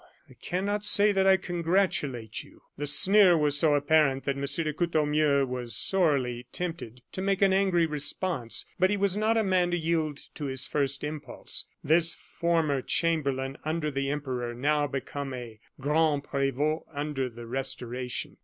I cannot say that I congratulate you." The sneer was so apparent that M. de Courtornieu was sorely tempted to make an angry response. But he was not a man to yield to his first impulse this former chamberlain under the Emperor, now become a grand prevot under the Restoration.